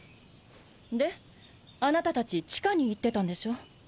であなたたち地下に行ってたんでしょう。